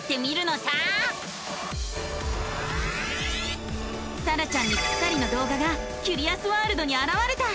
さらちゃんにぴったりの動画がキュリアスワールドにあらわれた！